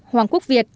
hoàng quốc việt